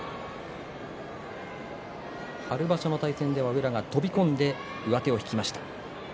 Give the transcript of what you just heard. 春場所をの対戦では宇良が飛び込んで両上手を引きました。